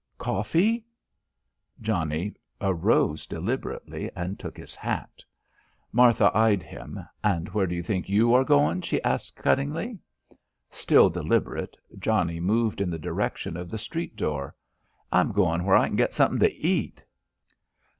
"Coffee!" Johnnie arose deliberately and took his hat. Martha eyed him. "And where do you think you are goin'?" she asked cuttingly. Still deliberate, Johnnie moved in the direction of the street door. "I'm goin' where I can get something to eat."